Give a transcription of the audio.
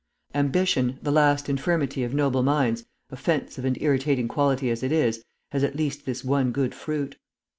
Ambition, the last infirmity of noble minds, offensive and irritating quality as it is, has at least this one good fruit.)